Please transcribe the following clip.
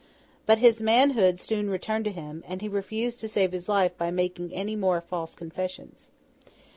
But his manhood soon returned to him, and he refused to save his life by making any more false confessions.